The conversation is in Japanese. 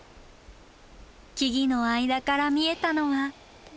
木々の間から見えたのは。